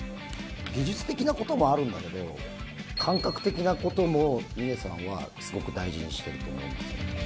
技術的なこともあるんだけど、感覚的なことも、峰さんはすごく大事にしてると思いますね。